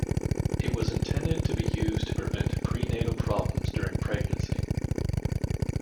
It was intended to be used to prevent prenatal problems during pregnancy.